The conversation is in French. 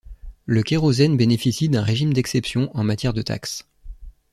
Le kérosène bénéficie d'un régime d'exception en matière de taxes.